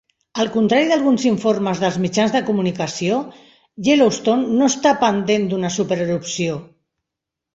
Al contrari d'alguns informes dels mitjans de comunicació, Yellowstone no està "pendent" d'una súper erupció.